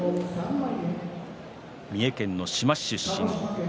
三重県志摩市出身。